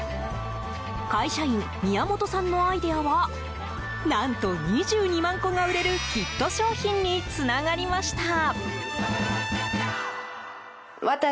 会社員・宮本さんのアイデアは何と２２万個が売れるヒット商品につながりました。